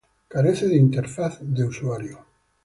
Carece de interfaz de usuario.